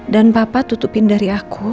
dan papa tutupin dari aku